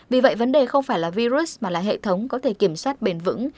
vì vậy vấn đề không phải là virus mà là hệ thống có thể kiểm soát bền vững